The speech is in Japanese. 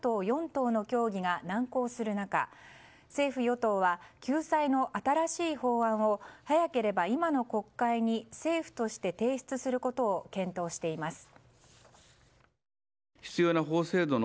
４党の協議が難航する中政府・与党は救済の新しい法案を早ければ今の国会に政府として提出することを検討しています。